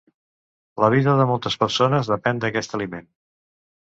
La vida de moltes persones depèn d'aquest aliment.